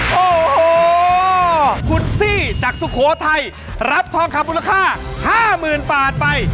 โอ้โหคุณซี่จากสุโขทัยรับทองคับมูลค่าห้าหมื่นบาทไป